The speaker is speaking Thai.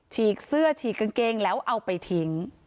ฉีกเสื้อฉีกกางเกงแล้วเอาไปทิ้ง